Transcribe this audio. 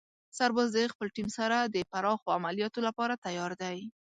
سرباز د خپلې ټیم سره د پراخو عملیاتو لپاره تیار دی.